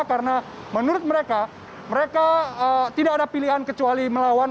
karena menurut mereka mereka tidak ada pilihan kecuali melawan